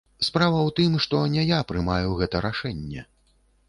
Справа ў тым, што не я прымаю гэта рашэнне.